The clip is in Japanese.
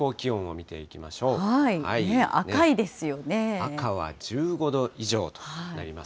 赤は１５度以上となります。